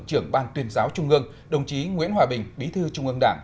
trưởng ban tuyên giáo trung ương đồng chí nguyễn hòa bình bí thư trung ương đảng